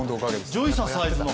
あっ『ジョイササイズ』の。